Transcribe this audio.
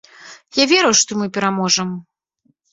Я веру, што мы пераможам.